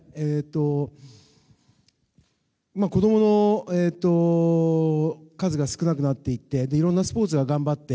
子供の数が少なくなっていっていろんなスポーツが頑張って。